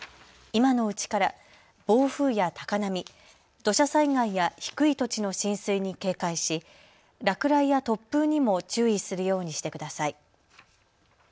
今のうちから暴風や高波、土砂災害や低い土地の浸水に警戒し落雷や突風にも注意するようにしてください。